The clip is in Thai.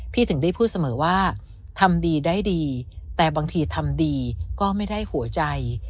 ถึงได้พูดเสมอว่าทำดีได้ดีแต่บางทีทำดีก็ไม่ได้หัวใจ